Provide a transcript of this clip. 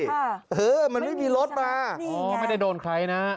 ค่ะไม่มีใช่ไหมนี่ไงมันไม่มีรถมาไม่ได้โดนใครนะ